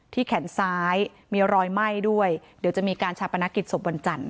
แขนซ้ายมีรอยไหม้ด้วยเดี๋ยวจะมีการชาปนกิจศพวันจันทร์